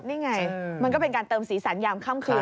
นี่ไงมันก็เป็นการเติมสีสันยามค่ำคืน